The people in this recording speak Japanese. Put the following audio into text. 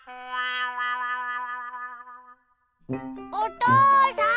おとうさん！